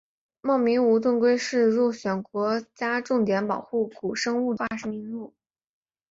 茂名无盾龟是入选国家重点保护古生物化石名录。